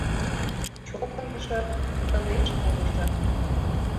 Чокынышо — тынеш пурышо.